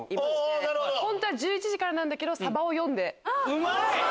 うまい！